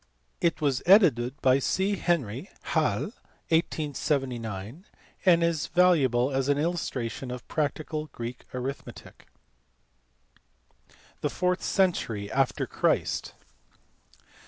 It was edited by C. Henry, Halle, 1879, and is valuable as an illustration of practical Greek arithmetic. The fourth century after Christ.